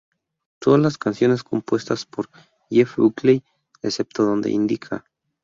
Todas las canciones compuestas por Jeff Buckley, excepto donde indica